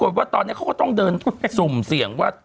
ปรากฎว่าตอนงี้เขาต้องเดินส่งเสียงว่า